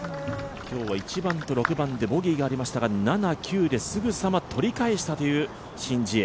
今日は１番と６番でボギーがありましたが７・９ですぐさま取り返したというシン・ジエ。